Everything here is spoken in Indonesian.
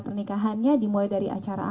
pernikahannya dimulai dari acara